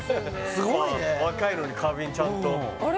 すごいね若いのに花瓶ちゃんとあれ？